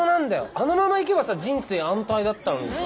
あのまま行けばさ人生安泰だったのにさ。